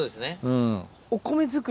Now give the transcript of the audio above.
うん。